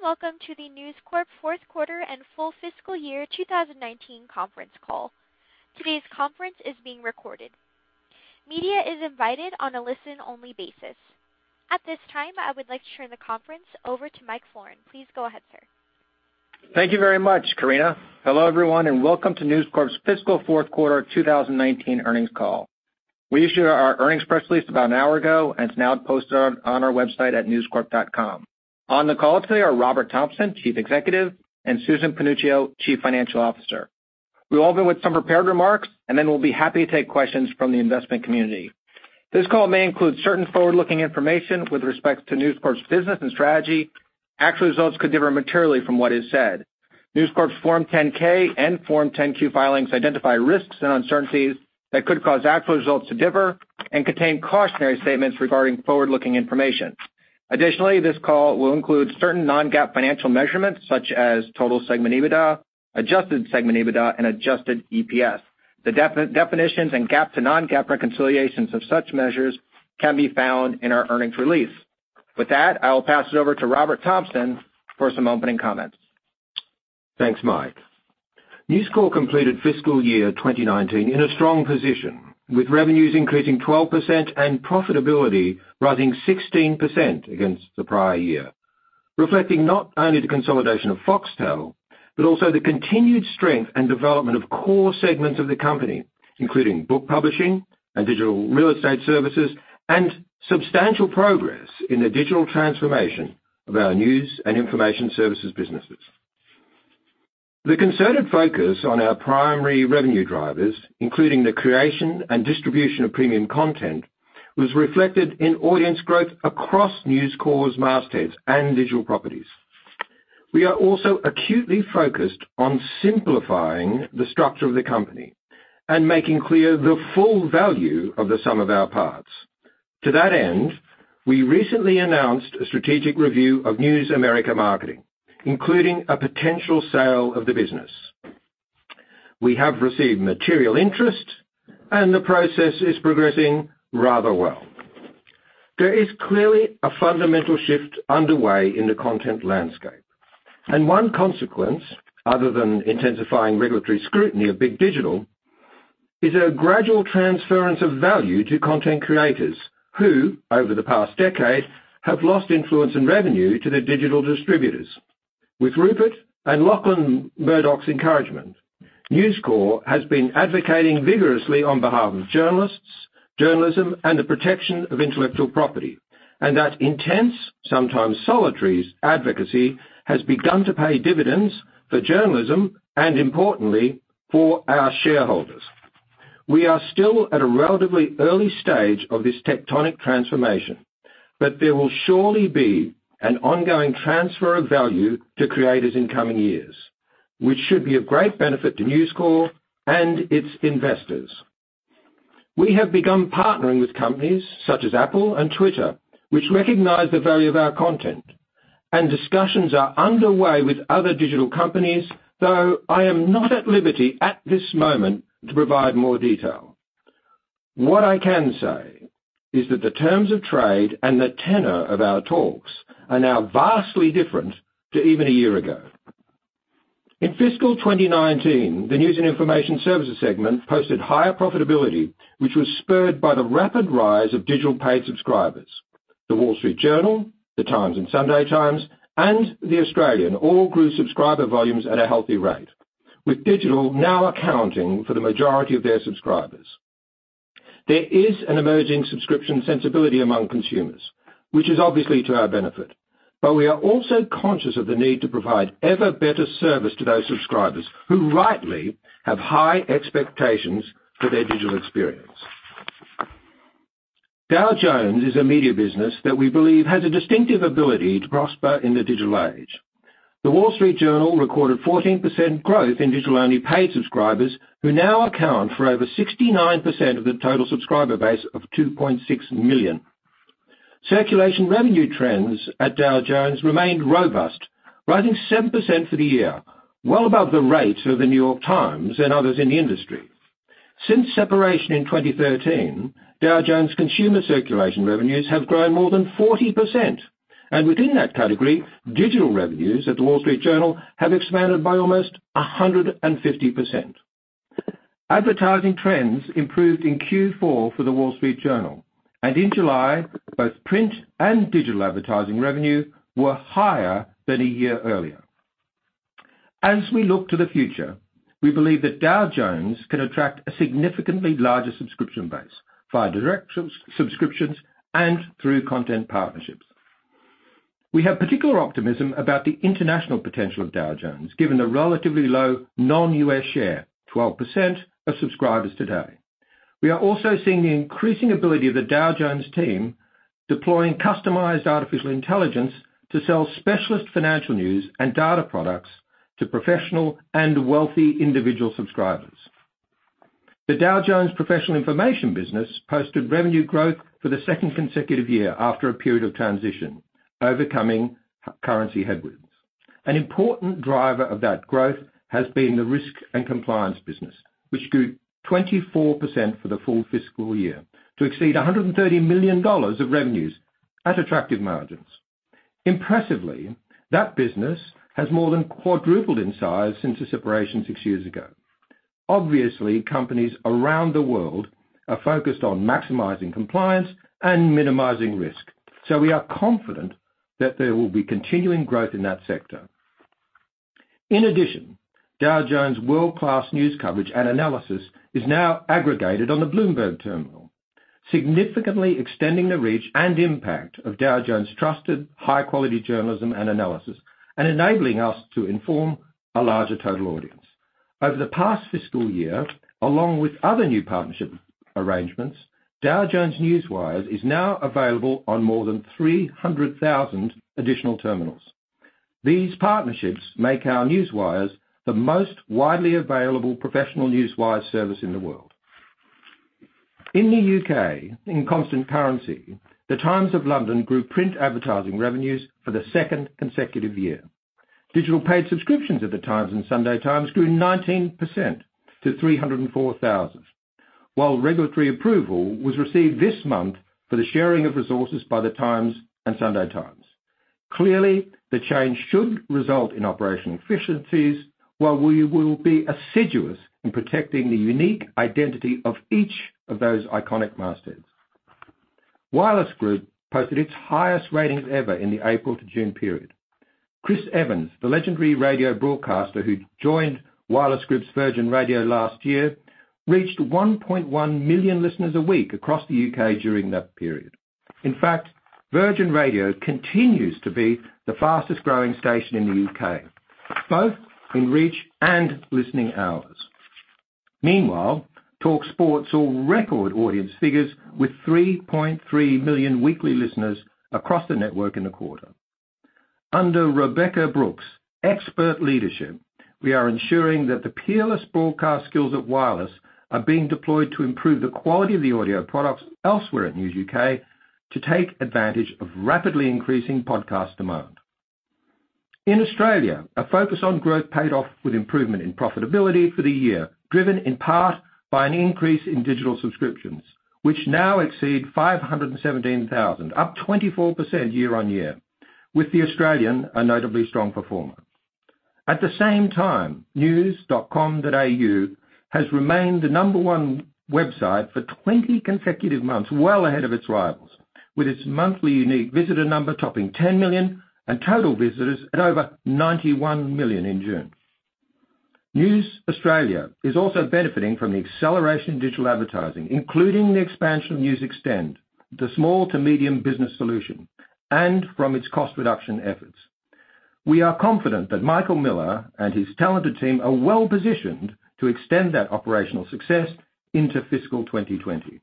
Good day, welcome to the News Corp fourth quarter and full fiscal year 2019 conference call. Today's conference is being recorded. Media is invited on a listen-only basis. At this time, I would like to turn the conference over to Mike Florin. Please go ahead, sir. Thank you very much, Karina. Hello everyone, welcome to News Corp's fiscal fourth quarter 2019 earnings call. We issued our earnings press release about an hour ago. It's now posted on our website at newscorp.com. On the call today are Robert Thomson, chief executive, and Susan Panuccio, chief financial officer. We'll open with some prepared remarks. Then we'll be happy to take questions from the investment community. This call may include certain forward-looking information with respect to News Corp's business and strategy. Actual results could differ materially from what is said. News Corp's Form 10-K and Form 10-Q filings identify risks and uncertainties that could cause actual results to differ and contain cautionary statements regarding forward-looking information. Additionally, this call will include certain non-GAAP financial measurements such as total segment EBITDA, adjusted segment EBITDA, and adjusted EPS. The definitions and GAAP to non-GAAP reconciliations of such measures can be found in our earnings release. With that, I will pass it over to Robert Thomson for some opening comments. Thanks, Mike. News Corp completed fiscal year 2019 in a strong position, with revenues increasing 12% and profitability rising 16% against the prior year, reflecting not only the consolidation of Foxtel, but also the continued strength and development of core segments of the company, including book publishing and digital real estate services, and substantial progress in the digital transformation of our News and Information Services businesses. The concerted focus on our primary revenue drivers, including the creation and distribution of premium content, was reflected in audience growth across News Corp's mastheads and digital properties. We are also acutely focused on simplifying the structure of the company and making clear the full value of the sum of our parts. To that end, we recently announced a strategic review of News America Marketing, including a potential sale of the business. We have received material interest, and the process is progressing rather well. There is clearly a fundamental shift underway in the content landscape, and one consequence, other than intensifying regulatory scrutiny of big digital, is a gradual transference of value to content creators who, over the past decade, have lost influence and revenue to the digital distributors. With Rupert and Lachlan Murdoch's encouragement, News Corp has been advocating vigorously on behalf of journalists, journalism, and the protection of intellectual property, and that intense, sometimes solitary, advocacy has begun to pay dividends for journalism and importantly, for our shareholders. We are still at a relatively early stage of this tectonic transformation, but there will surely be an ongoing transfer of value to creators in coming years, which should be of great benefit to News Corp and its investors. We have begun partnering with companies such as Apple and Twitter, which recognize the value of our content, and discussions are underway with other digital companies, though I am not at liberty at this moment to provide more detail. What I can say is that the terms of trade and the tenor of our talks are now vastly different to even a year ago. In fiscal 2019, the News and Information Services segment posted higher profitability, which was spurred by the rapid rise of digital paid subscribers. The Wall Street Journal, The Times and The Sunday Times, and The Australian all grew subscriber volumes at a healthy rate, with digital now accounting for the majority of their subscribers. There is an emerging subscription sensibility among consumers, which is obviously to our benefit, but we are also conscious of the need to provide ever-better service to those subscribers who rightly have high expectations for their digital experience. Dow Jones is a media business that we believe has a distinctive ability to prosper in the digital age. The Wall Street Journal recorded 14% growth in digital-only paid subscribers, who now account for over 69% of the total subscriber base of 2.6 million. Circulation revenue trends at Dow Jones remained robust, rising 7% for the year, well above the rates of The New York Times and others in the industry. Since separation in 2013, Dow Jones consumer circulation revenues have grown more than 40%, and within that category, digital revenues at The Wall Street Journal have expanded by almost 150%. Advertising trends improved in Q4 for The Wall Street Journal. In July, both print and digital advertising revenue were higher than a year earlier. As we look to the future, we believe that Dow Jones can attract a significantly larger subscription base via direct subscriptions and through content partnerships. We have particular optimism about the international potential of Dow Jones, given the relatively low non-U.S. share, 12%, of subscribers today. We are also seeing the increasing ability of the Dow Jones team deploying customized artificial intelligence to sell specialist financial news and data products to professional and wealthy individual subscribers. The Dow Jones Professional Information Business posted revenue growth for the second consecutive year after a period of transition, overcoming currency headwinds. An important driver of that growth has been the risk and compliance business, which grew 24% for the full fiscal year to exceed $130 million of revenues at attractive margins. Impressively, that business has more than quadrupled in size since the separation six years ago. We are confident that there will be continuing growth in that sector. In addition, Dow Jones' world-class news coverage and analysis is now aggregated on the Bloomberg terminal, significantly extending the reach and impact of Dow Jones' trusted high-quality journalism and analysis, and enabling us to inform a larger total audience. Over the past fiscal year, along with other new partnership arrangements, Dow Jones Newswires is now available on more than 300,000 additional terminals. These partnerships make our newswires the most widely available professional newswire service in the world. In the U.K., in constant currency, The Times of London grew print advertising revenues for the second consecutive year. Digital paid subscriptions at The Times and The Sunday Times grew 19% to 304,000, while regulatory approval was received this month for the sharing of resources by The Times and The Sunday Times. Clearly, the change should result in operational efficiencies, while we will be assiduous in protecting the unique identity of each of those iconic mastheads. Wireless Group posted its highest ratings ever in the April to June period. Chris Evans, the legendary radio broadcaster who joined Wireless Group's Virgin Radio last year, reached 1.1 million listeners a week across the U.K. during that period. In fact, Virgin Radio continues to be the fastest-growing station in the U.K., both in reach and listening hours. Meanwhile, talkSPORT saw record audience figures with 3.3 million weekly listeners across the network in the quarter. Under Rebekah Brooks' expert leadership, we are ensuring that the peerless broadcast skills at Wireless are being deployed to improve the quality of the audio products elsewhere at News UK to take advantage of rapidly increasing podcast demand. In Australia, a focus on growth paid off with improvement in profitability for the year, driven in part by an increase in digital subscriptions, which now exceed 517,000, up 24% year-on-year, with The Australian a notably strong performer. At the same time, news.com.au has remained the number one website for 20 consecutive months, well ahead of its rivals, with its monthly unique visitor number topping 10 million and total visitors at over 91 million in June. News Australia is also benefiting from the acceleration in digital advertising, including the expansion of News Xtend, the small to medium business solution, and from its cost reduction efforts. We are confident that Michael Miller and his talented team are well-positioned to extend that operational success into fiscal 2020.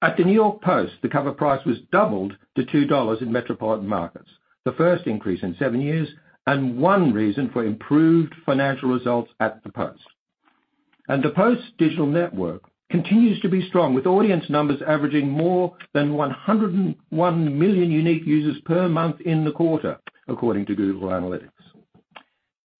At The New York Post, the cover price was doubled to $2 in metropolitan markets, the first increase in seven years and one reason for improved financial results at The Post. The Post's digital network continues to be strong, with audience numbers averaging more than 101 million unique users per month in the quarter, according to Google Analytics.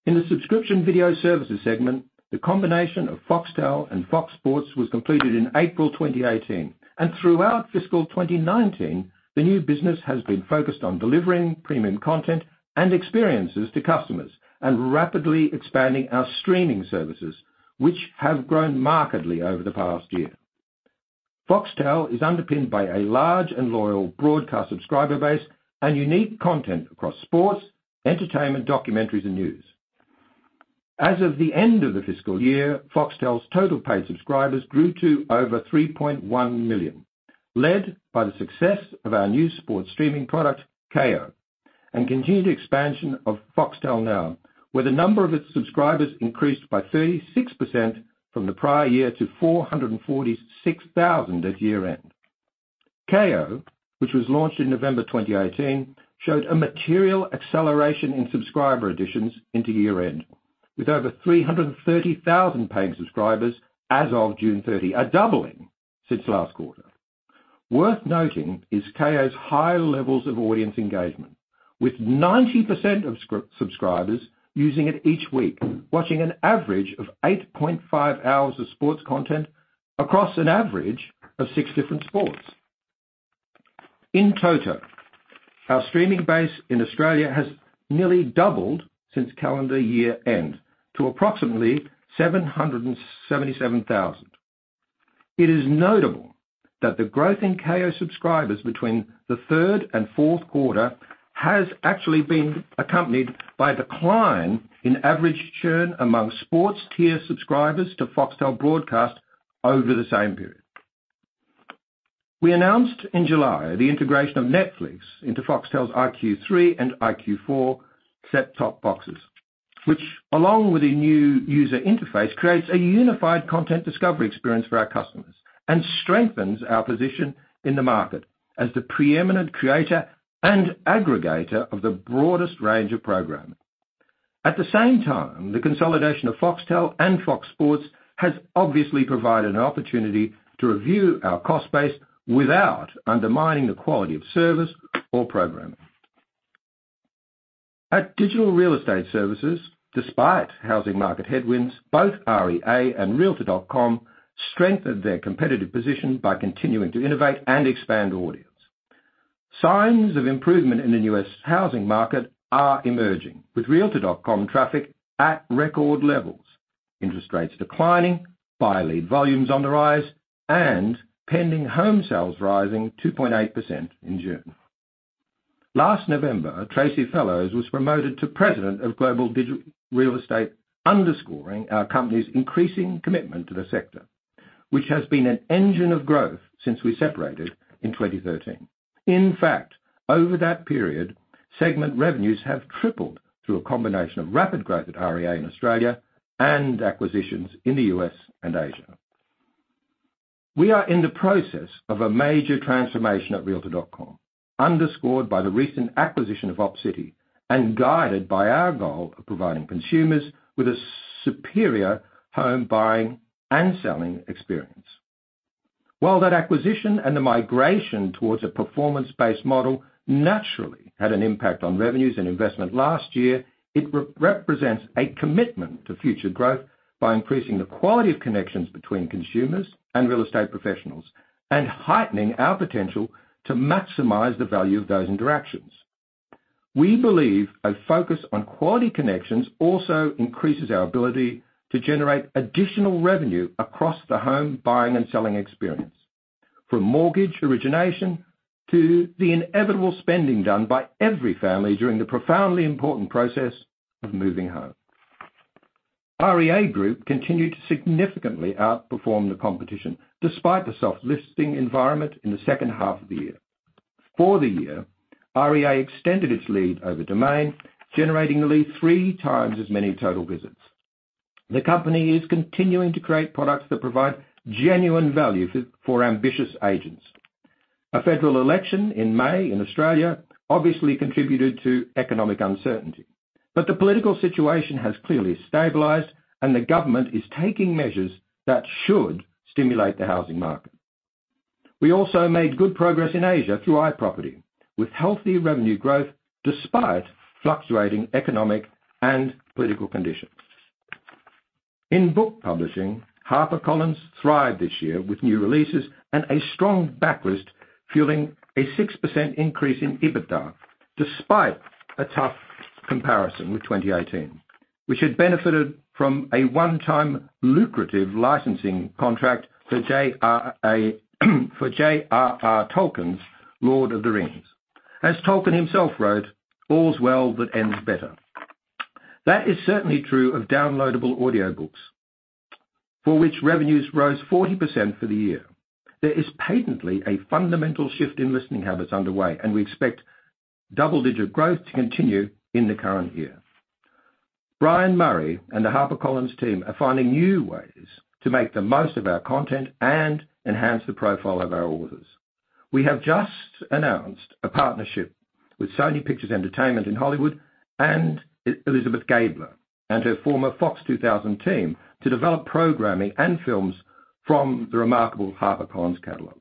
In the subscription video services segment, the combination of Foxtel and Fox Sports was completed in April 2018. Throughout fiscal 2019, the new business has been focused on delivering premium content and experiences to customers and rapidly expanding our streaming services, which have grown markedly over the past year. Foxtel is underpinned by a large and loyal broadcast subscriber base and unique content across sports, entertainment, documentaries, and news. As of the end of the fiscal year, Foxtel's total paid subscribers grew to over 3.1 million, led by the success of our new sports streaming product, Kayo, and continued expansion of Foxtel Now, where the number of its subscribers increased by 36% from the prior year to 446,000 at year-end. Kayo, which was launched in November 2018, showed a material acceleration in subscriber additions into year-end, with over 330,000 paying subscribers as of June 30, a doubling since last quarter. Worth noting is Kayo's high levels of audience engagement, with 90% of subscribers using it each week, watching an average of 8.5 hours of sports content across an average of six different sports. In total, our streaming base in Australia has nearly doubled since calendar year-end to approximately 777,000. It is notable that the growth in Kayo subscribers between the third and fourth quarter has actually been accompanied by decline in average churn among sports tier subscribers to Foxtel broadcast over the same period. We announced in July the integration of Netflix into Foxtel's iQ3 and iQ4 set-top boxes, which along with a new user interface, creates a unified content discovery experience for our customers and strengthens our position in the market as the preeminent creator and aggregator of the broadest range of progress. At the same time, the consolidation of Foxtel and Fox Sports has obviously provided an opportunity to review our cost base without undermining the quality of service or programming. At Digital Real Estate Services, despite housing market headwinds, both REA and realtor.com strengthened their competitive position by continuing to innovate and expand audience. Signs of improvement in the U.S. housing market are emerging, with realtor.com traffic at record levels, interest rates declining, buyer lead volumes on the rise, and pending home sales rising 2.8% in June. Last November, Tracey Fellows was promoted to President of Global Digital Real Estate, underscoring our company's increasing commitment to the sector, which has been an engine of growth since we separated in 2013. In fact, over that period, segment revenues have tripled through a combination of rapid growth at REA in Australia and acquisitions in the U.S. and Asia. We are in the process of a major transformation at realtor.com, underscored by the recent acquisition of Opcity, and guided by our goal of providing consumers with a superior home buying and selling experience. While that acquisition and the migration towards a performance-based model naturally had an impact on revenues and investment last year, it represents a commitment to future growth by increasing the quality of connections between consumers and real estate professionals, and heightening our potential to maximize the value of those interactions. We believe a focus on quality connections also increases our ability to generate additional revenue across the home buying and selling experience, from mortgage origination to the inevitable spending done by every family during the profoundly important process of moving home. REA Group continued to significantly outperform the competition, despite the soft listing environment in the second half of the year. For the year, REA extended its lead over Domain, generating at least three times as many total visits. The company is continuing to create products that provide genuine value for ambitious agents. A federal election in May in Australia obviously contributed to economic uncertainty. The political situation has clearly stabilized, and the government is taking measures that should stimulate the housing market. We also made good progress in Asia through iProperty, with healthy revenue growth despite fluctuating economic and political conditions. In book publishing, HarperCollins thrived this year with new releases and a strong backlist, fueling a 6% increase in EBITDA, despite a tough comparison with 2018, which had benefited from a one-time lucrative licensing contract for J.R.R. Tolkien's "The Lord of the Rings." As Tolkien himself wrote, "All's well that ends better." That is certainly true of downloadable audiobooks, for which revenues rose 40% for the year. We expect double-digit growth to continue in the current year. Brian Murray and the HarperCollins team are finding new ways to make the most of our content and enhance the profile of our authors. We have just announced a partnership with Sony Pictures Entertainment in Hollywood and Elizabeth Gabler and her former Fox 2000 team to develop programming and films from the remarkable HarperCollins catalog.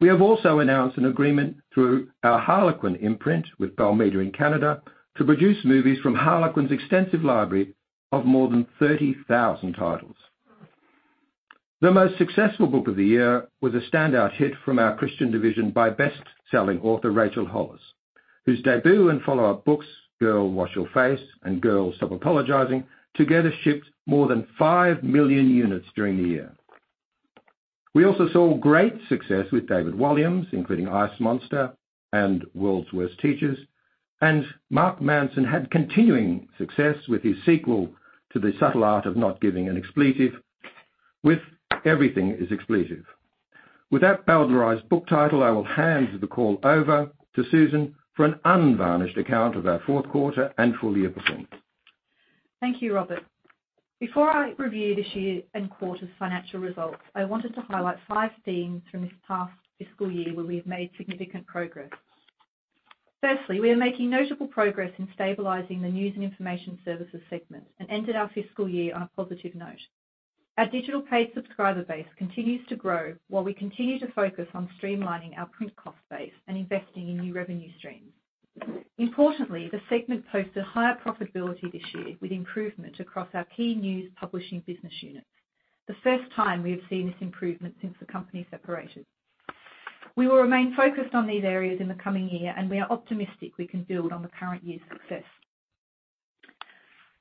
We have also announced an agreement through our Harlequin imprint with Bell Media in Canada to produce movies from Harlequin's extensive library of more than 30,000 titles. The most successful book of the year was a standout hit from our Christian division by best-selling author Rachel Hollis, whose debut and follow-up books, "Girl, Wash Your Face" and "Girl, Stop Apologizing," together shipped more than 5 million units during the year. We also saw great success with David Walliams, including "Ice Monster" and "World's Worst Teachers," and Mark Manson had continuing success with his sequel to "The Subtle Art of Not Giving a F*ck" with "Everything Is F*cked." With that bowdlerized book title, I will hand the call over to Susan for an unvarnished account of our fourth quarter and full-year performance. Thank you, Robert. Before I review this year and quarter's financial results, I wanted to highlight five themes from this past fiscal year where we've made significant progress. Firstly, we are making notable progress in stabilizing the News and Information Services segment and ended our fiscal year on a positive note. Our digital paid subscriber base continues to grow while we continue to focus on streamlining our print cost base and investing in new revenue streams. Importantly, the segment posted higher profitability this year with improvement across our key news publishing business units. The first time we have seen this improvement since the company separated. We will remain focused on these areas in the coming year, and we are optimistic we can build on the current year's success.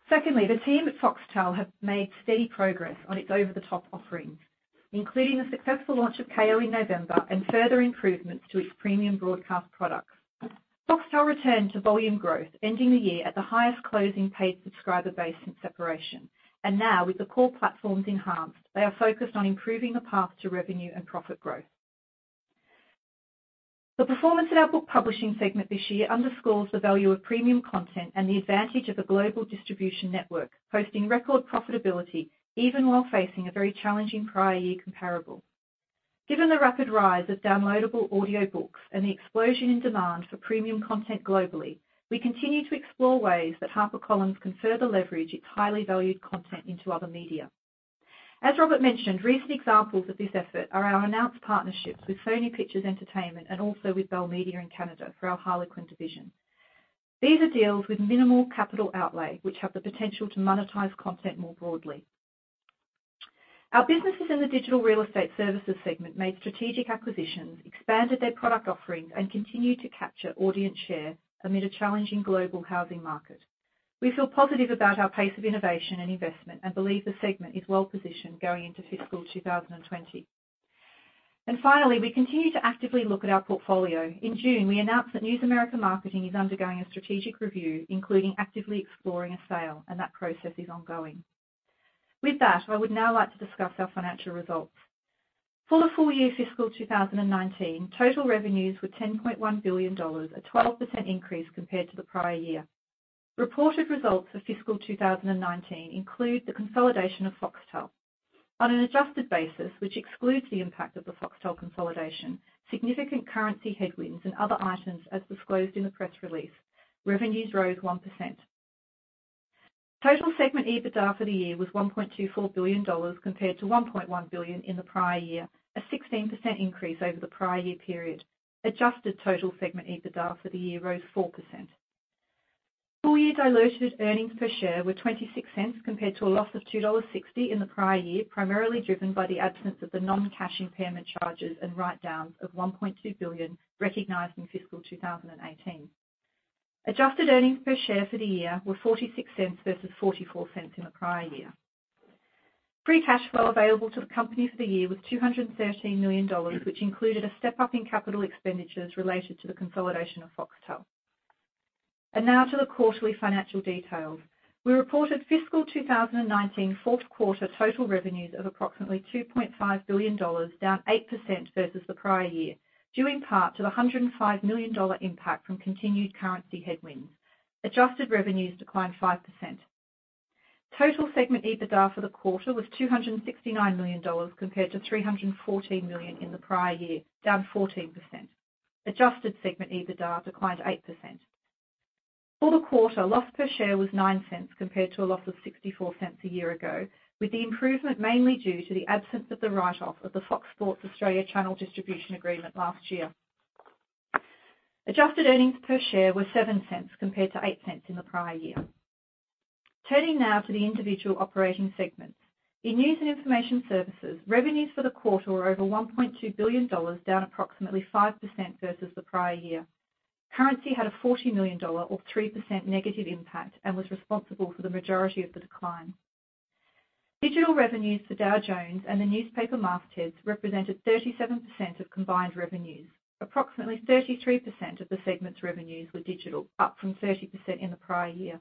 Secondly, the team at Foxtel have made steady progress on its over-the-top offerings, including the successful launch of Kayo in November and further improvements to its premium broadcast products. Foxtel returned to volume growth, ending the year at the highest closing paid subscriber base since separation. Now, with the core platforms enhanced, they are focused on improving the path to revenue and profit growth. The performance of our book publishing segment this year underscores the value of premium content and the advantage of a global distribution network, posting record profitability even while facing a very challenging prior year comparable. Given the rapid rise of downloadable audiobooks and the explosion in demand for premium content globally, we continue to explore ways that HarperCollins can further leverage its highly valued content into other media. As Robert mentioned, recent examples of this effort are our announced partnerships with Sony Pictures Entertainment and also with Bell Media in Canada for our Harlequin division. These are deals with minimal capital outlay, which have the potential to monetize content more broadly. Our businesses in the Digital Real Estate Services segment made strategic acquisitions, expanded their product offerings, and continued to capture audience share amid a challenging global housing market. We feel positive about our pace of innovation and investment and believe the segment is well-positioned going into fiscal 2020. Finally, we continue to actively look at our portfolio. In June, we announced that News America Marketing is undergoing a strategic review, including actively exploring a sale, and that process is ongoing. With that, I would now like to discuss our financial results. For the full year fiscal 2019, total revenues were $10.1 billion, a 12% increase compared to the prior year. Reported results for fiscal 2019 include the consolidation of Foxtel. On an adjusted basis, which excludes the impact of the Foxtel consolidation, significant currency headwinds and other items as disclosed in the press release, revenues rose 1%. Total segment EBITDA for the year was $1.24 billion, compared to $1.1 billion in the prior year, a 16% increase over the prior year period. Adjusted total segment EBITDA for the year rose 4%. Full-year diluted earnings per share were $0.26, compared to a loss of $2.60 in the prior year, primarily driven by the absence of the non-cash impairment charges and write-downs of $1.2 billion recognized in fiscal 2018. Adjusted earnings per share for the year were $0.46 versus $0.44 in the prior year. Free cash flow available to the company for the year was $213 million, which included a step-up in capital expenditures related to the consolidation of Foxtel. Now to the quarterly financial details. We reported fiscal 2019 fourth quarter total revenues of approximately $2.5 billion, down 8% versus the prior year, due in part to the $105 million impact from continued currency headwinds. Adjusted revenues declined 5%. Total segment EBITDA for the quarter was $269 million, compared to $314 million in the prior year, down 14%. Adjusted segment EBITDA declined 8%. For the quarter, loss per share was $0.09, compared to a loss of $0.64 a year ago, with the improvement mainly due to the absence of the write-off of the Fox Sports Australia channel distribution agreement last year. Adjusted earnings per share were $0.07 compared to $0.08 in the prior year. Turning now to the individual operating segments. In News and Information Services, revenues for the quarter were over $1.2 billion, down approximately 5% versus the prior year. Currency had a $40 million or 3% negative impact and was responsible for the majority of the decline. Digital revenues for Dow Jones and the newspaper mastheads represented 37% of combined revenues. Approximately 33% of the segment's revenues were digital, up from 30% in the prior year.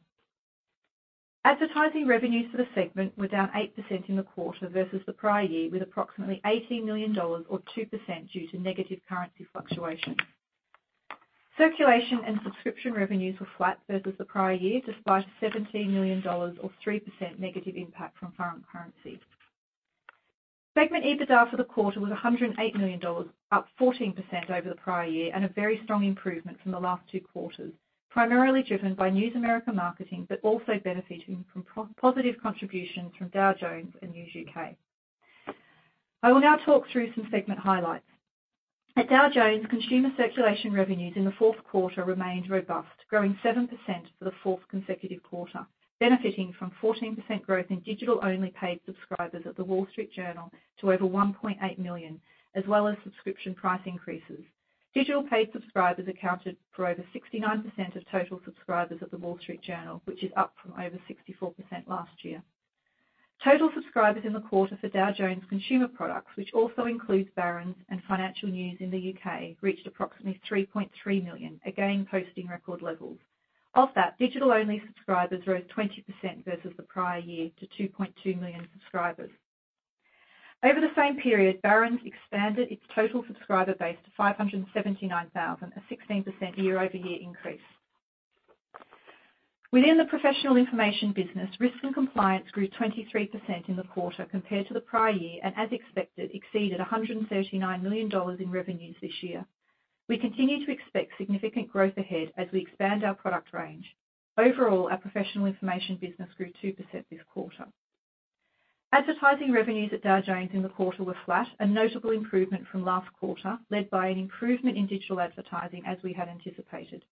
Advertising revenues for the segment were down 8% in the quarter versus the prior year, with approximately $18 million or 2% due to negative currency fluctuations. Circulation and subscription revenues were flat versus the prior year, despite a $17 million or 3% negative impact from foreign currency. Segment EBITDA for the quarter was $108 million, up 14% over the prior year, and a very strong improvement from the last two quarters, primarily driven by News America Marketing, but also benefiting from positive contributions from Dow Jones and News U.K. I will now talk through some segment highlights. At Dow Jones, consumer circulation revenues in the fourth quarter remained robust, growing 7% for the fourth consecutive quarter, benefiting from 14% growth in digital-only paid subscribers at The Wall Street Journal to over 1.8 million, as well as subscription price increases. Digital paid subscribers accounted for over 69% of total subscribers at The Wall Street Journal, which is up from over 64% last year. Total subscribers in the quarter for Dow Jones Consumer Products, which also includes Barron's and Financial News in the U.K., reached approximately 3.3 million, again posting record levels. Of that, digital-only subscribers rose 20% versus the prior year to 2.2 million subscribers. Over the same period, Barron's expanded its total subscriber base to 579,000, a 16% year-over-year increase. Within the Professional Information Business, risk and compliance grew 23% in the quarter compared to the prior year, and as expected, exceeded $139 million in revenues this year. We continue to expect significant growth ahead as we expand our product range. Overall, our Professional Information Business grew 2% this quarter. Advertising revenues at Dow Jones in the quarter were flat, a notable improvement from last quarter, led by an improvement in digital advertising as we had anticipated.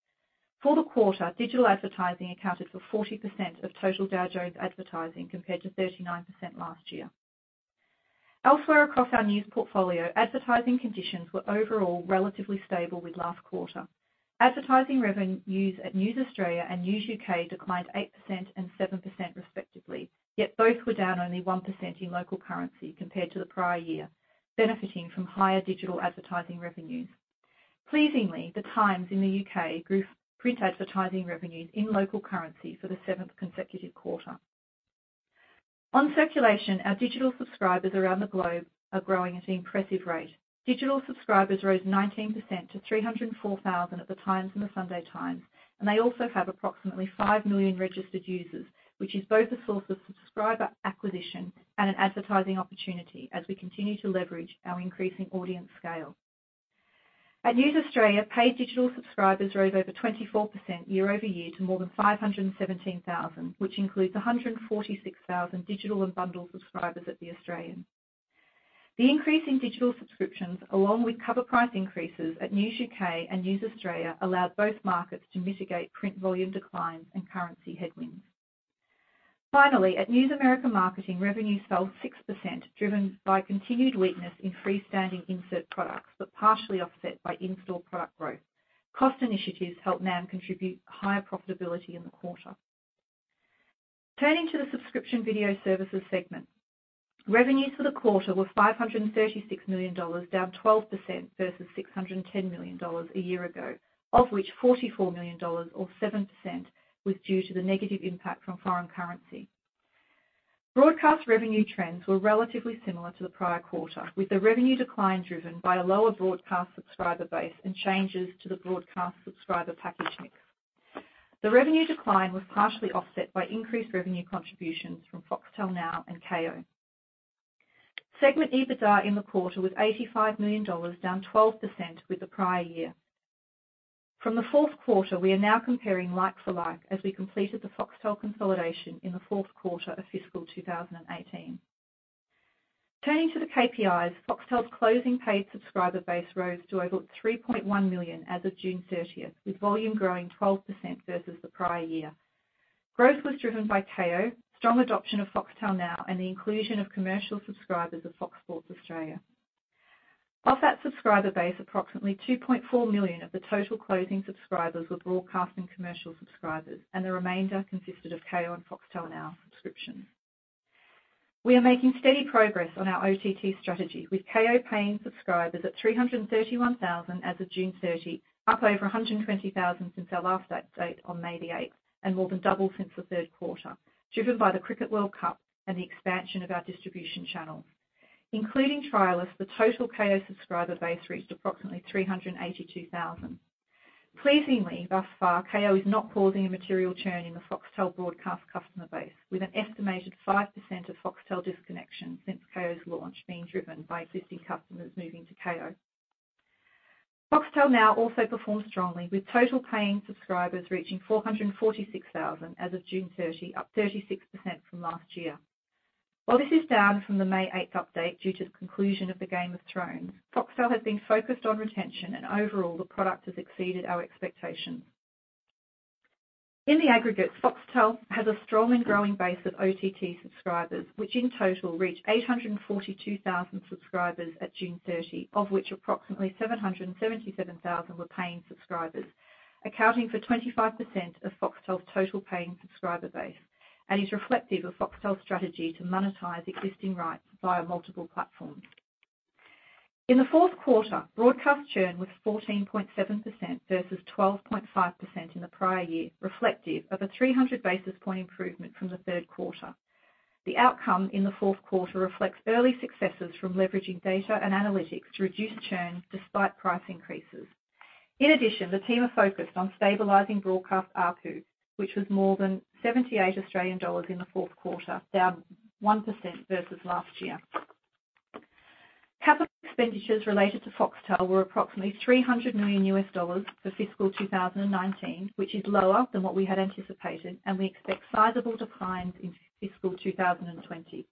For the quarter, digital advertising accounted for 40% of total Dow Jones advertising, compared to 39% last year. Elsewhere across our news portfolio, advertising conditions were overall relatively stable with last quarter. Advertising revenues at News Australia and News U.K. declined 8% and 7% respectively, yet both were down only 1% in local currency compared to the prior year, benefiting from higher digital advertising revenues. Pleasingly, The Times in the U.K. grew print advertising revenues in local currency for the seventh consecutive quarter. On circulation, our digital subscribers around the globe are growing at an impressive rate. Digital subscribers rose 19% to 304,000 at The Times and The Sunday Times, and they also have approximately 5 million registered users, which is both a source of subscriber acquisition and an advertising opportunity as we continue to leverage our increasing audience scale. At News Australia, paid digital subscribers rose over 24% year-over-year to more than 517,000, which includes 146,000 digital and bundled subscribers at The Australian. The increase in digital subscriptions, along with cover price increases at News UK and News Australia, allowed both markets to mitigate print volume declines and currency headwinds. Finally, at News America, marketing revenues fell 6%, driven by continued weakness in freestanding insert products, partially offset by in-store product growth. Cost initiatives helped NAM contribute higher profitability in the quarter. Turning to the subscription video services segment. Revenues for the quarter were $536 million, down 12% versus $610 million a year ago, of which $44 million or 7% was due to the negative impact from foreign currency. Broadcast revenue trends were relatively similar to the prior quarter, with the revenue decline driven by a lower broadcast subscriber base and changes to the broadcast subscriber package mix. The revenue decline was partially offset by increased revenue contributions from Foxtel Now and Kayo. Segment EBITDA in the quarter was $85 million, down 12% with the prior year. From the fourth quarter, we are now comparing like for like as we completed the Foxtel consolidation in the fourth quarter of fiscal 2018. Turning to the KPIs, Foxtel's closing paid subscriber base rose to over 3.1 million as of June 30th, with volume growing 12% versus the prior year. Growth was driven by Kayo, strong adoption of Foxtel Now, and the inclusion of commercial subscribers of Fox Sports Australia. Of that subscriber base, approximately 2.4 million of the total closing subscribers were broadcast and commercial subscribers, and the remainder consisted of Kayo and Foxtel Now subscriptions. We are making steady progress on our OTT strategy, with Kayo paying subscribers at 331,000 as of June 30, up over 120,000 since our last date on May the 8th, and more than double since the third quarter, driven by the Cricket World Cup and the expansion of our distribution channels. Including trialists, the total Kayo subscriber base reached approximately 382,000. Pleasingly, thus far, Kayo is not causing a material churn in the Foxtel broadcast customer base, with an estimated 5% of Foxtel disconnections since Kayo's launch being driven by existing customers moving to Kayo. Foxtel Now also performed strongly, with total paying subscribers reaching 446,000 as of June 30, up 36% from last year. While this is down from the May 8th update due to the conclusion of the "Game of Thrones," Foxtel has been focused on retention, and overall, the product has exceeded our expectations. In the aggregate, Foxtel has a strong and growing base of OTT subscribers, which in total reached 842,000 subscribers at June 30, of which approximately 777,000 were paying subscribers, accounting for 25% of Foxtel's total paying subscriber base, and is reflective of Foxtel's strategy to monetize existing rights via multiple platforms. In the fourth quarter, broadcast churn was 14.7% versus 12.5% in the prior year, reflective of a 300-basis point improvement from the third quarter. The outcome in the fourth quarter reflects early successes from leveraging data and analytics to reduce churn despite price increases. In addition, the team are focused on stabilizing broadcast ARPU, which was more than 78 Australian dollars in the fourth quarter, down 1% versus last year. Capital expenditures related to Foxtel were approximately $300 million for fiscal 2019, which is lower than what we had anticipated, and we expect sizable declines in fiscal 2020.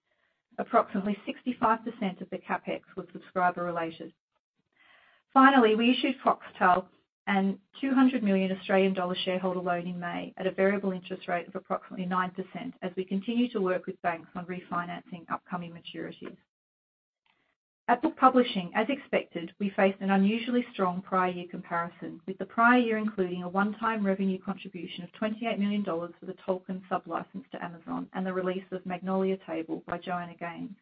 Approximately 65% of the CapEx were subscriber related. We issued Foxtel an 200 million Australian dollar shareholder loan in May at a variable interest rate of approximately 9% as we continue to work with banks on refinancing upcoming maturities. At Book Publishing, as expected, we faced an unusually strong prior year comparison, with the prior year including a one-time revenue contribution of $28 million for the Tolkien sublicense to Amazon and the release of "Magnolia Table" by Joanna Gaines.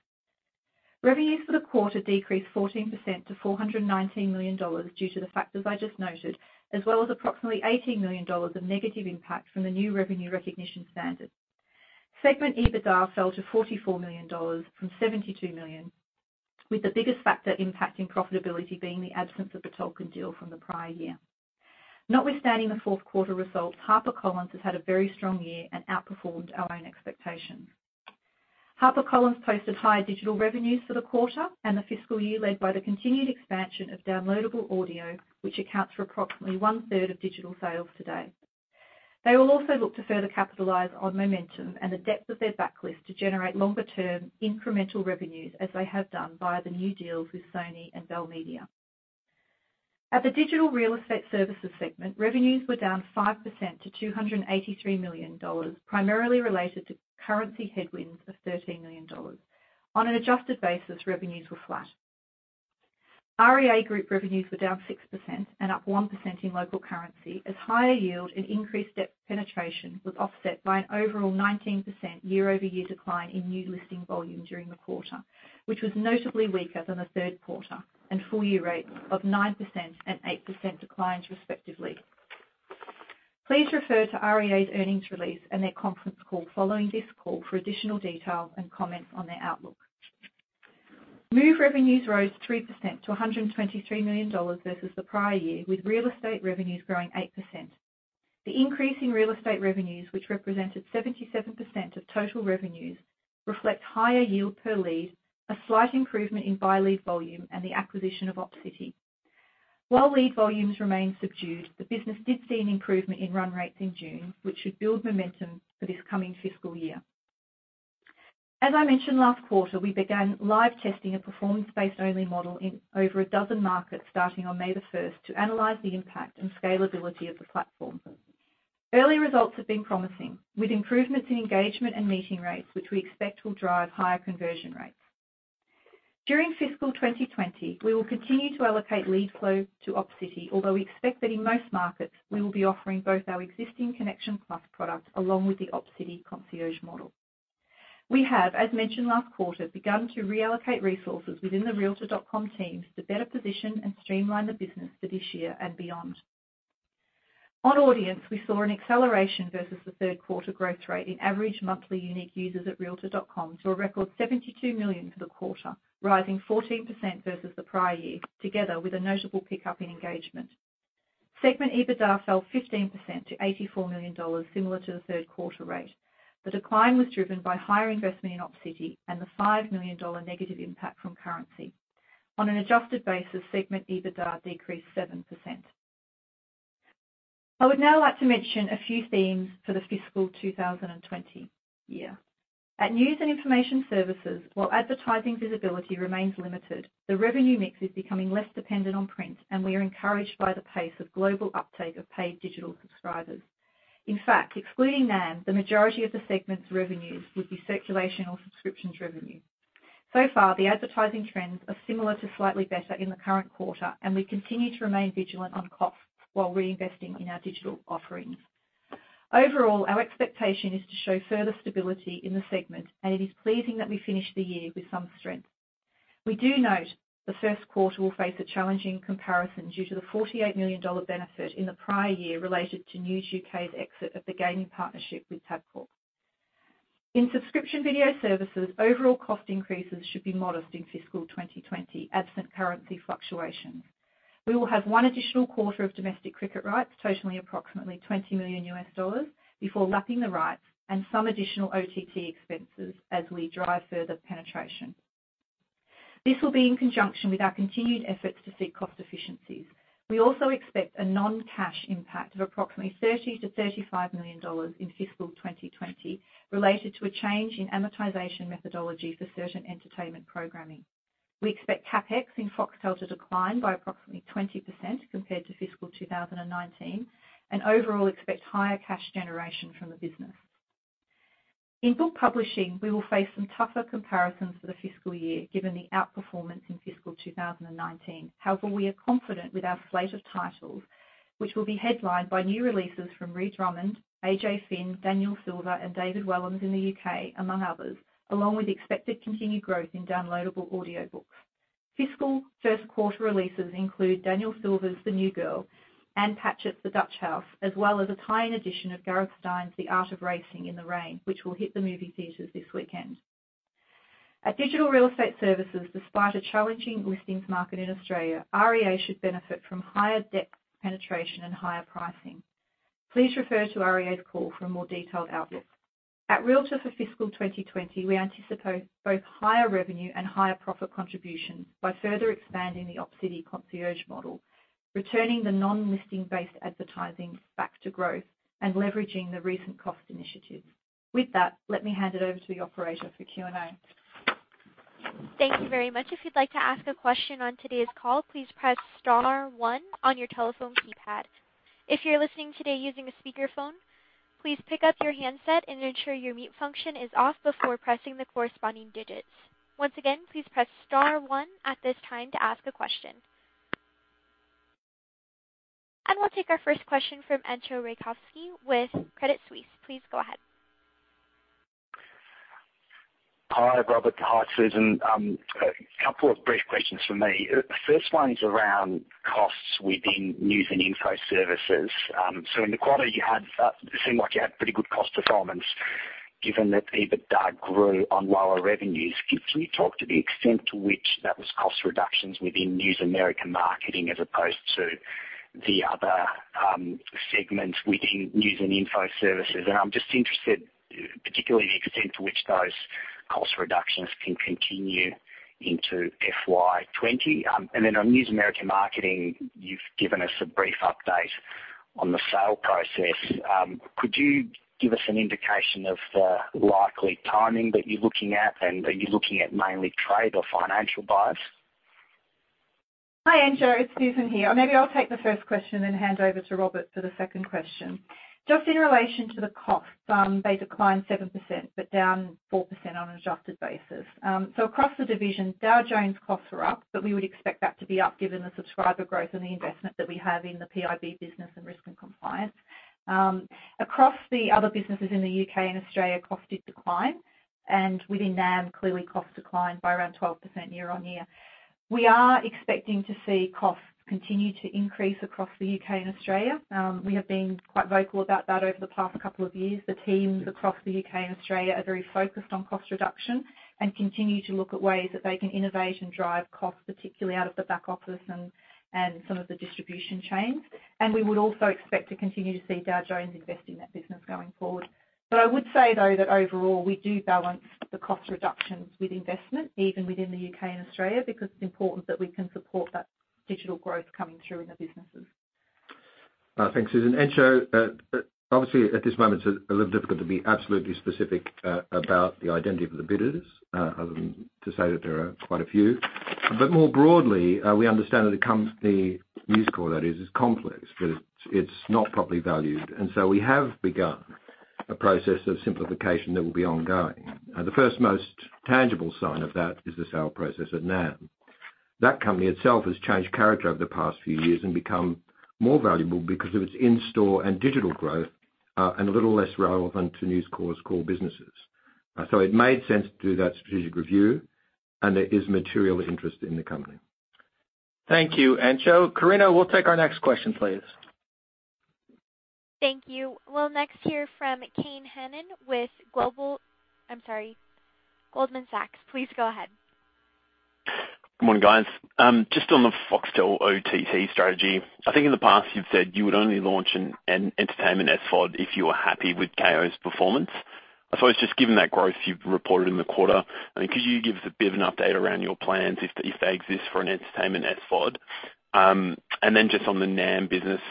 Revenues for the quarter decreased 14% to $419 million due to the factors I just noted, as well as approximately $18 million of negative impact from the new revenue recognition standard. Segment EBITDA fell to $44 million from $72 million, with the biggest factor impacting profitability being the absence of the Tolkien deal from the prior year. Notwithstanding the fourth quarter results, HarperCollins has had a very strong year and outperformed our own expectations. HarperCollins posted higher digital revenues for the quarter and the fiscal year led by the continued expansion of downloadable audio, which accounts for approximately one-third of digital sales today. They will also look to further capitalize on momentum and the depth of their backlist to generate longer-term incremental revenues as they have done via the new deals with Sony and Bell Media. At the digital real estate services segment, revenues were down 5% to $283 million, primarily related to currency headwinds of $13 million. On an adjusted basis, revenues were flat. REA Group revenues were down 6% and up 1% in local currency as higher yield and increased depth penetration was offset by an overall 19% year-over-year decline in new listing volume during the quarter, which was notably weaker than the third quarter and full-year rates of 9% and 8% declines respectively. Please refer to REA's earnings release and their conference call following this call for additional detail and comments on their outlook. Move revenues rose 3% to $123 million versus the prior year, with real estate revenues growing 8%. The increase in real estate revenues, which represented 77% of total revenues, reflect higher yield per lead, a slight improvement in buy lead volume, and the acquisition of Opcity. While lead volumes remain subdued, the business did see an improvement in run rates in June, which should build momentum for this coming fiscal year. As I mentioned last quarter, we began live testing a performance-based only model in over a dozen markets starting on May the 1st to analyze the impact and scalability of the platform. Early results have been promising, with improvements in engagement and meeting rates, which we expect will drive higher conversion rates. During fiscal 2020, we will continue to allocate lead flow to Opcity, although we expect that in most markets we will be offering both our existing Connections Plus product along with the Opcity concierge model. We have, as mentioned last quarter, begun to reallocate resources within the realtor.com teams to better position and streamline the business for this year and beyond. On audience, we saw an acceleration versus the third quarter growth rate in average monthly unique users at realtor.com to a record 72 million for the quarter, rising 14% versus the prior year, together with a notable pickup in engagement. Segment EBITDA fell 15% to $84 million, similar to the third quarter rate. The decline was driven by higher investment in Opcity and the $5 million negative impact from currency. On an adjusted basis, segment EBITDA decreased 7%. I would now like to mention a few themes for the fiscal 2020 year. At News & Information Services, while advertising visibility remains limited, the revenue mix is becoming less dependent on print, and we are encouraged by the pace of global uptake of paid digital subscribers. In fact, excluding NAM, the majority of the segment's revenues would be circulation or subscriptions revenue. So far, the advertising trends are similar to slightly better in the current quarter. We continue to remain vigilant on costs while reinvesting in our digital offerings. Overall, our expectation is to show further stability in the segment. It is pleasing that we finish the year with some strength. We do note the first quarter will face a challenging comparison due to the $48 million benefit in the prior year related to News UK's exit of the gaming partnership with Tabcorp. In subscription video services, overall cost increases should be modest in fiscal 2020, absent currency fluctuations. We will have one additional quarter of domestic cricket rights totaling approximately $20 million before lapping the rights and some additional OTT expenses as we drive further penetration. This will be in conjunction with our continued efforts to seek cost efficiencies. We also expect a non-cash impact of approximately $30 million-$35 million in fiscal 2020 related to a change in amortization methodology for certain entertainment programming. We expect CapEx in Foxtel to decline by approximately 20% compared to fiscal 2019 and overall expect higher cash generation from the business. In Book Publishing, we will face some tougher comparisons for the fiscal year given the outperformance in fiscal 2019. We are confident with our slate of titles, which will be headlined by new releases from Ree Drummond, A.J. Finn, Daniel Silva, and David Walliams in the U.K., among others, along with expected continued growth in downloadable audiobooks. Fiscal first quarter releases include Daniel Silva's "The New Girl," Ann Patchett's "The Dutch House," as well as a tie-in edition of Garth Stein's "The Art of Racing in the Rain," which will hit the movie theaters this weekend. At Digital Real Estate Services, despite a challenging listings market in Australia, REA should benefit from higher depth penetration and higher pricing. Please refer to REA's call for a more detailed outlook. At Realtor for fiscal 2020, we anticipate both higher revenue and higher profit contributions by further expanding the Opcity concierge model, returning the non-listing-based advertising back to growth, and leveraging the recent cost initiatives. Let me hand it over to the operator for Q&A. Thank you very much. If you'd like to ask a question on today's call, please press star one on your telephone keypad. If you're listening today using a speakerphone, please pick up your handset and ensure your mute function is off before pressing the corresponding digits. Once again, please press star one at this time to ask a question. We'll take our first question from Entcho Raykovski with Credit Suisse. Please go ahead. Hi, Robert. Hi, Susan. A couple of brief questions from me. First one is around costs within News & Info Services. In the quarter, it seemed like you had pretty good cost performance given that EBITDA grew on lower revenues. Can you talk to the extent to which that was cost reductions within News America Marketing as opposed to the other segments within News & Info Services? I'm just interested particularly in the extent to which those cost reductions can continue into FY 2020. On News America Marketing, you've given us a brief update on the sale process. Could you give us an indication of the likely timing that you're looking at, and are you looking at mainly trade or financial buyers? Hi, Entcho. It's Susan here. Maybe I'll take the first question then hand over to Robert for the second question. Just in relation to the costs, they declined 7%, but down 4% on an adjusted basis. Across the division, Dow Jones costs are up, but we would expect that to be up given the subscriber growth and the investment that we have in the PIB business and Risk & Compliance. Across the other businesses in the U.K. and Australia, costs did decline, and within NAM, clearly costs declined by around 12% year-over-year. We are expecting to see costs continue to increase across the U.K. and Australia. We have been quite vocal about that over the past couple of years. The teams across the U.K. and Australia are very focused on cost reduction and continue to look at ways that they can innovate and drive costs, particularly out of the back office and some of the distribution chains. We would also expect to continue to see Dow Jones invest in that business going forward. I would say though, that overall, we do balance the cost reductions with investment, even within the U.K. and Australia, because it's important that we can support that digital growth coming through in the businesses. Thanks, Susan. Entcho, obviously at this moment it's a little difficult to be absolutely specific about the identity of the bidders, other than to say that there are quite a few. More broadly, we understand that it concerns News Corp, that is complex, but it's not properly valued. We have begun a process of simplification that will be ongoing. The first most tangible sign of that is the sale process at NAM. That company itself has changed character over the past few years and become more valuable because of its in-store and digital growth, and a little less relevant to News Corp's core businesses. It made sense to do that strategic review, and there is material interest in the company. Thank you, Entcho. Karina, we'll take our next question, please. Thank you. We'll next hear from Kane Hannan with Goldman Sachs. Please go ahead. Good morning, guys. On the Foxtel OTT strategy. I think in the past you've said you would only launch an entertainment SVOD if you are happy with Kayo's performance. I suppose just given that growth you've reported in the quarter, could you give us a bit of an update around your plans, if they exist, for an entertainment SVOD? Just on the NAM business,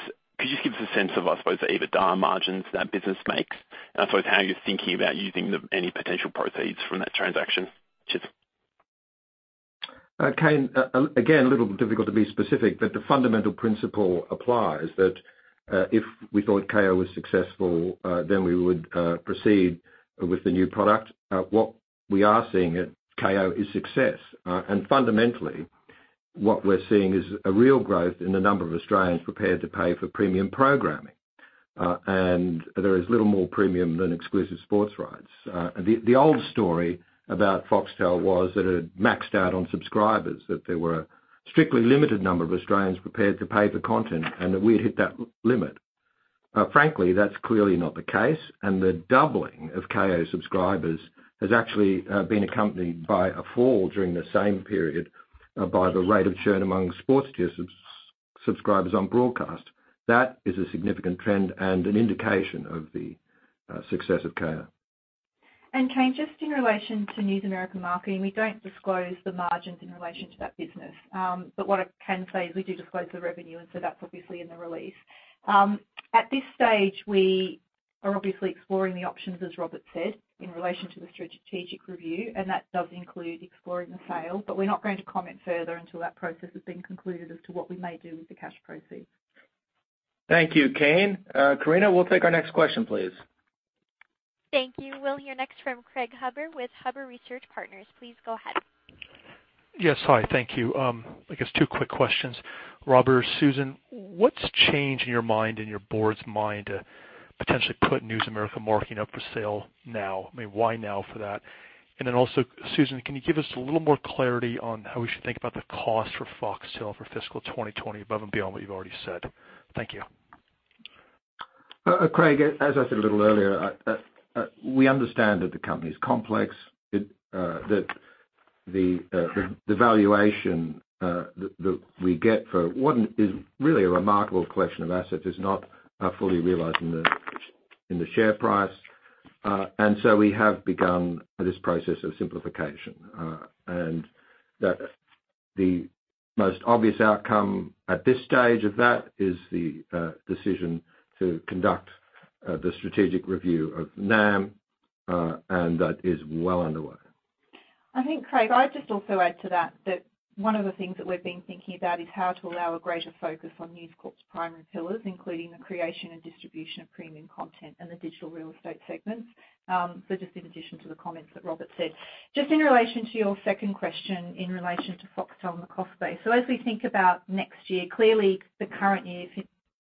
could you give us a sense of, I suppose the EBITDA margins that business makes, and I suppose how you're thinking about using any potential proceeds from that transaction. Cheers. Kane, again, a little difficult to be specific, but the fundamental principle applies that, if we thought Kayo was successful, then we would proceed with the new product. What we are seeing at Kayo is success. Fundamentally, what we're seeing is a real growth in the number of Australians prepared to pay for premium programming. There is little more premium than exclusive sports rights. The old story about Foxtel was that it had maxed out on subscribers, that there were a strictly limited number of Australians prepared to pay for content, and that we'd hit that limit. Frankly, that's clearly not the case, and the doubling of Kayo subscribers has actually been accompanied by a fall during the same period by the rate of churn among sports tier subscribers on broadcast. That is a significant trend and an indication of the success of Kayo. Kane, just in relation to News America Marketing, we don't disclose the margins in relation to that business. What I can say is we do disclose the revenue, and so that's obviously in the release. At this stage, we are obviously exploring the options, as Robert said, in relation to the strategic review, and that does include exploring the sale, but we're not going to comment further until that process has been concluded as to what we may do with the cash proceeds. Thank you, Kane. Karina, we'll take our next question, please. Thank you. We will hear next from Craig Huber with Huber Research Partners. Please go ahead. Yes. Hi, thank you. I guess two quick questions. Robert, Susan, what's changed in your mind and your board's mind to potentially put News America Marketing up for sale now? Why now for that? Susan, can you give us a little more clarity on how we should think about the cost for Foxtel for fiscal 2020 above and beyond what you've already said? Thank you. Craig, as I said a little earlier, we understand that the company is complex, that the valuation that we get for what is really a remarkable collection of assets is not fully realized in the share price. We have begun this process of simplification, and that the most obvious outcome at this stage of that is the decision to conduct the strategic review of NAM, and that is well underway. I think, Craig, I'd just also add to that one of the things that we've been thinking about is how to allow a greater focus on News Corp's primary pillars, including the creation and distribution of premium content and the digital real estate segments. Just in addition to the comments that Robert said. Just in relation to your second question in relation to Foxtel and the cost base. As we think about next year, clearly the current year,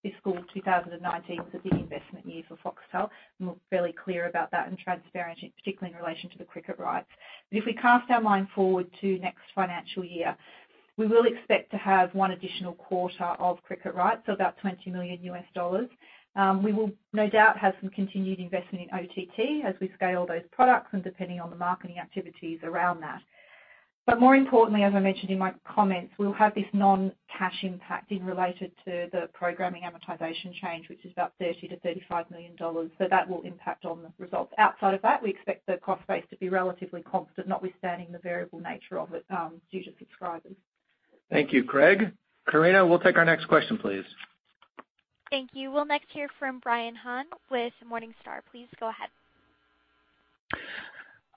fiscal 2019, was a big investment year for Foxtel, and we're fairly clear about that and transparent, particularly in relation to the cricket rights. If we cast our mind forward to next financial year, we will expect to have one additional quarter of cricket rights, so about $20 million. We will no doubt have some continued investment in OTT as we scale those products and depending on the marketing activities around that. More importantly, as I mentioned in my comments, we'll have this non-cash impact in related to the programming amortization change, which is about $30 million-$35 million. That will impact on the results. Outside of that, we expect the cost base to be relatively constant, notwithstanding the variable nature of it due to subscribers. Thank you, Craig. Karina, we'll take our next question, please. Thank you. We'll next hear from Brian Han with Morningstar. Please go ahead.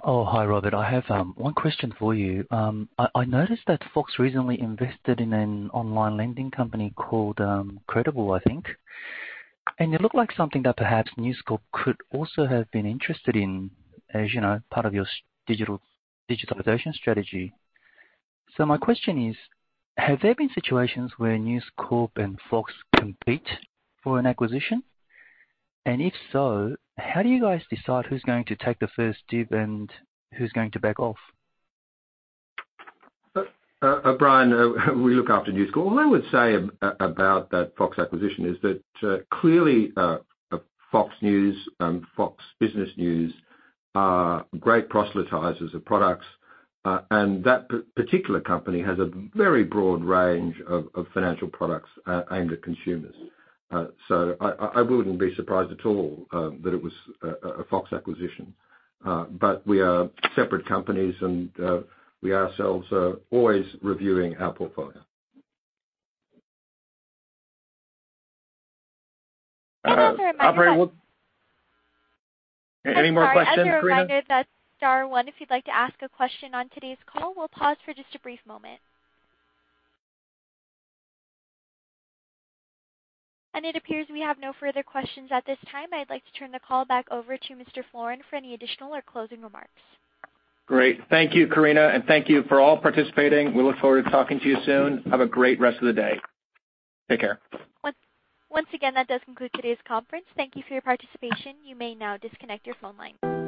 Hi, Robert. I have one question for you. I noticed that Fox recently invested in an online lending company called Credible, I think. It looked like something that perhaps News Corp could also have been interested in, as part of your digitalization strategy. My question is, have there been situations where News Corp and Fox compete for an acquisition? If so, how do you guys decide who's going to take the first dib and who's going to back off? Brian, we look after News Corp. All I would say about that Fox acquisition is that clearly Fox News and Fox Business News are great proselytizers of products. That particular company has a very broad range of financial products aimed at consumers. I wouldn't be surprised at all that it was a Fox acquisition. We are separate companies, and we ourselves are always reviewing our portfolio. I'll remind you. Operator, any more questions, Karina? I'm sorry. As a reminder, that's star one if you'd like to ask a question on today's call. We'll pause for just a brief moment. It appears we have no further questions at this time. I'd like to turn the call back over to Mr. Florin for any additional or closing remarks. Great. Thank you, Karina. Thank you for all participating. We look forward to talking to you soon. Have a great rest of the day. Take care. Once again, that does conclude today's conference. Thank you for your participation. You may now disconnect your phone line.